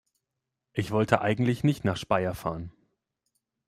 Ich wollte eigentlich nicht nach Speyer fahren